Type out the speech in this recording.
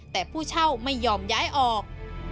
แต่ผู้เช่าไม่ยอมย้ายออก